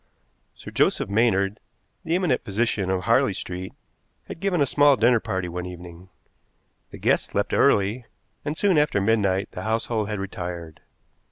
Sir Joseph Maynard, the eminent physician of Harley Street, had given a small dinner party one evening. The guests left early, and soon after midnight the household had retired.